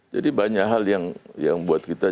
jadi banyak hal yang buat kita